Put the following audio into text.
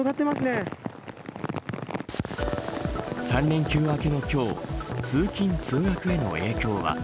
３連休明けの今日通勤通学への影響は。